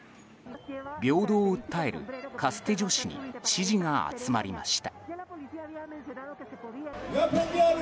平等を訴えるカスティジョ氏に支持が集まりました。